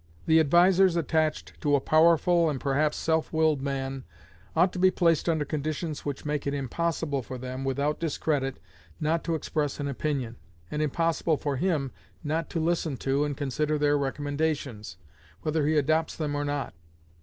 The advisers attached to a powerful and perhaps self willed man ought to be placed under conditions which make it impossible for them, without discredit, not to express an opinion, and impossible for him not to listen to and consider their recommendations, whether he adopts them or not.